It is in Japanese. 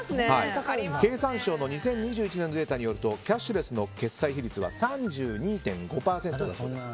経産省の２０２１年のデータによるとキャッシュレスの決済比率は３２．５％だそうです。